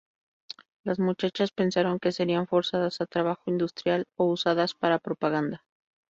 Las muchachas pensaron que serían forzadas a trabajo industrial o usadas para propaganda.